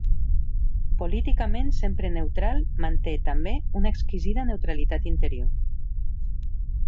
Políticament sempre neutral, manté, també, una exquisida neutralitat interior.